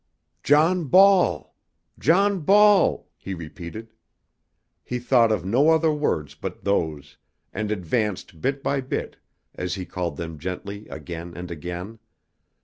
"John Ball! John Ball!" he repeated. He thought of no other words but those, and advanced bit by bit as he called them gently again and again.